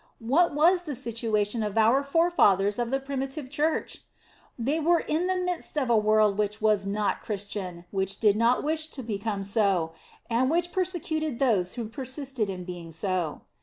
What was the situation of our forefathers of the primitive Church? They were in the midst of a world which was not Christian, which did not wish to become so, and which persecuted those who persisted in being so.